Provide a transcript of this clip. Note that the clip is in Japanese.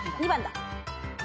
２番だ。